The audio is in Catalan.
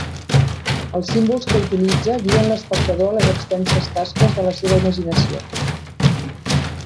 Els símbols que utilitza guien l'espectador a les extenses tasques de la seva imaginació.